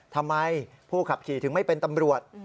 ทำไมผู้ขับขี่ถึงไม่เป็นตำรวจ